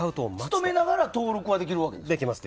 勤めながら登録はできるわけ？